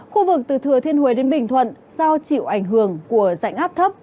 khu vực từ thừa thiên huế đến bình thuận do chịu ảnh hưởng của dạnh áp thấp